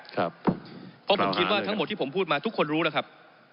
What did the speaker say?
เพราะผมคิดว่าทั้งหมดที่ผมพูดมาทุกคนรู้แล้วครับ